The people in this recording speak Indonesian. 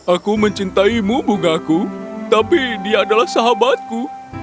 aku mencintaimu bungaku tapi dia adalah sahabatku